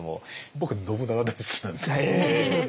僕信長大好きなんで。